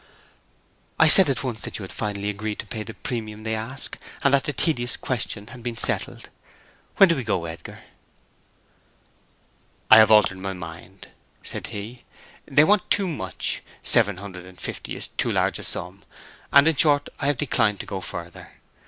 "I said at once that you had finally agreed to pay the premium they ask, and that the tedious question had been settled. When do we go, Edgar?" "I have altered my mind," said he. "They want too much—seven hundred and fifty is too large a sum—and in short, I have declined to go further.